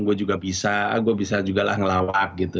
gue juga bisa gue bisa juga lah ngelawak gitu